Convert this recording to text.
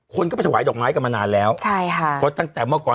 คนก็ไปถวายดอกไม้กันมานานแล้วใช่ค่ะเพราะตั้งแต่เมื่อก่อน